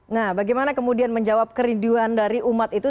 nah bagaimana kemudian menjawab kerinduan dari umat itu